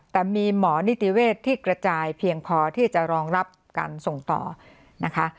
แต่มีหมอนิติเวศที่กระจายเพียงพอที่จะรองรับการส่งต่อนะคะ